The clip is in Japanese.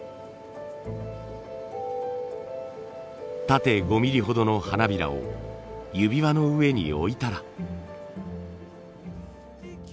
縦５ミリほどの花びらを指輪の上に置いたら。